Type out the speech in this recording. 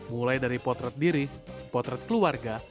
mulai dari potret diri potret keluarga